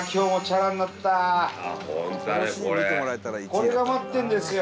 これが待ってるんですよ。